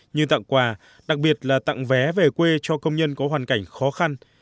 như tặng quà đặc biệt là tặng vé về quê cho công nhân có hoàn cảnh khó khăn